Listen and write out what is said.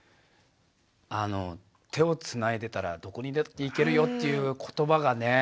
あの「手をつないでたらどこにだって行けるよ」っていう言葉がね